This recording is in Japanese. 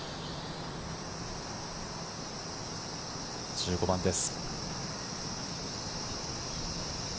１５番です。